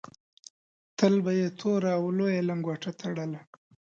تل به یې توره او لویه لنګوټه تړله.